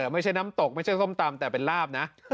ไม่ใช่น้ำตกไม่ใช่ส้มตำแต่เป็นลาบนะ